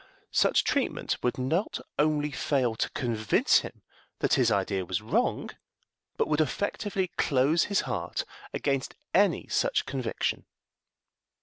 Such treatment would not only fail to convince him that his idea was wrong, but would effectually close his heart against any such conviction.